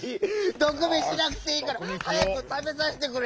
どくみしなくていいからはやくたべさせてくれ！